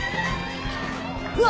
うわ。